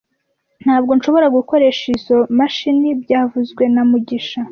Ntabwo nshobora gukoresha izoi mashini byavuzwe na mugisha